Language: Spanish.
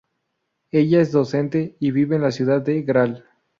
Ella es docente y vive en la ciudad de Gral.